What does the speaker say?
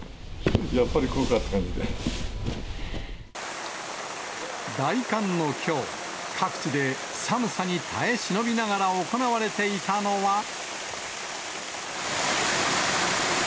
やっぱり、大寒のきょう、各地で寒さに耐え忍びながら行われていたのは。